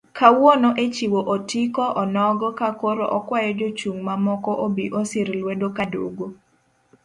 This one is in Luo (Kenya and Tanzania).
Kawuono echiwo otiko onogo kakoro okwayo jochung' mamoko obi osir lwedo Kadogo.